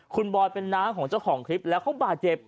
คุณบอยเป็นน้าของเจ้าของคลิปแล้วเขาบาดเจ็บ